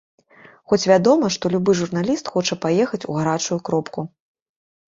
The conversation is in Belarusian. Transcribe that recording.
Хоць вядома, што любы журналіст хоча паехаць у гарачую кропку.